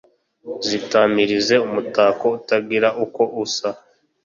zitamirize umutako utagira uko usa,